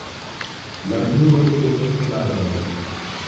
La kruroj estas flavaj.